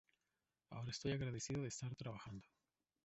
Ahora estoy agradecido de estar trabajando.